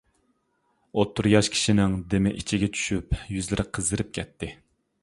ئوتتۇرا ياش كىشىنىڭ دىمى ئىچىگە چۈشۈپ يۈزلىرى قىزىرىپ كەتتى.